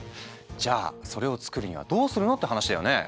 じゃあそれを作るにはどうするの？って話だよね。